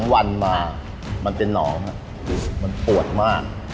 วันมามันเป็นหนองมันปวดมาก